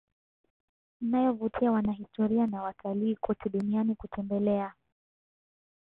inayovutia wanahistoria na watalii kote duniani kutembelea